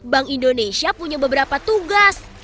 bank indonesia punya beberapa tugas